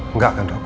enggak kan dok